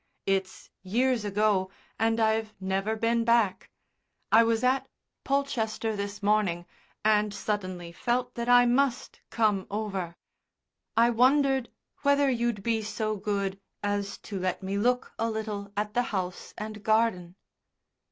It's years ago, and I've never been back. I was at Polchester this morning and suddenly felt that I must come over. I wondered whether you'd be so good as to let me look a little at the house and garden."